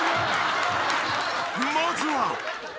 ［まずは］